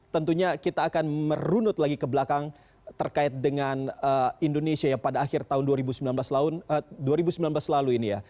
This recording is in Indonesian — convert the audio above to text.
tentunya kita akan merunut lagi ke belakang terkait dengan indonesia yang pada akhir tahun dua ribu sembilan belas lalu ini ya